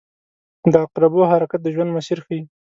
• د عقربو حرکت د ژوند مسیر ښيي.